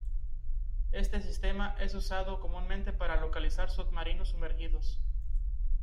Este sistema es usado comúnmente para localizar submarinos sumergidos.